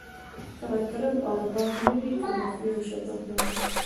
که مطرب او رباب نه وی، که مستی او شباب نه وی